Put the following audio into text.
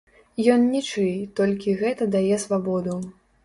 Ён нічый, толькі гэта дае свабоду.